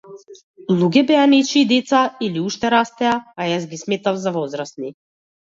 Луѓе беа нечии деца или уште растеа, а јас ги сметав за возрасни.